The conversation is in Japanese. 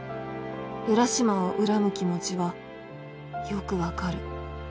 浦島を恨む気持ちはよく分かる。